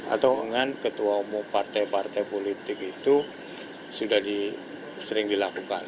atau dengan ketua umum partai partai politik itu sudah sering dilakukan